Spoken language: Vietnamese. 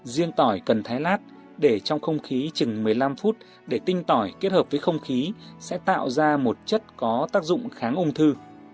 riêng tỏi cần thái lát để trong không khí chừng một mươi năm phút để tinh tỏi kết hợp với không khí sẽ tạo ra một chất có tác dụng kháng ung thư